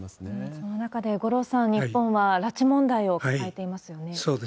そんな中で、五郎さん、日本は拉致問題を抱えていますよね。